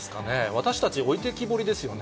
私たち置いてきぼりですよね。